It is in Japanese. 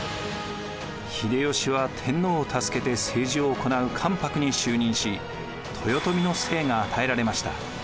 秀吉は天皇を助けて政治を行う関白に就任し豊臣の姓が与えられました。